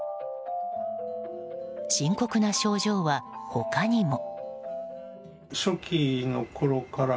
深刻な症状は他にも。